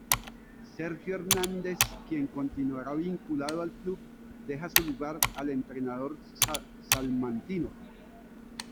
Sergio Hernández, quien continuará vinculado al club, deja su lugar al entrenador salmantino.